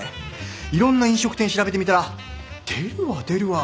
いろんな飲食店調べてみたら出るわ出るわ